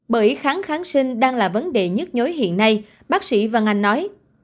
bởi kháng kháng sinh đang là vấn đề nhất nhối hiện nay bác sĩ vân anh nói